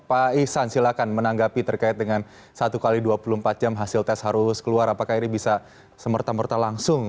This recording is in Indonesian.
pak ihsan silahkan menanggapi terkait dengan satu x dua puluh empat jam hasil tes harus keluar apakah ini bisa semerta merta langsung